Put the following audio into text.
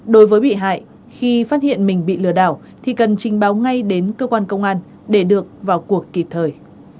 đối với bị hại khi phát hiện mình bị lừa đảo thì cần trình báo ngay đến cơ quan công an để được vào cuộc kịp thời